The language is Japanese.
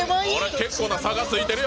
結構な差がついてるよ。